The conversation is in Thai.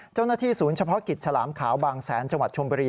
เจ้าหน้าที่ศูนย์เฉพาะกิจฉลามขาวบางแสนจังหวัดชมบุรี